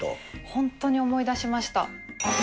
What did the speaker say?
ホントに思い出しました。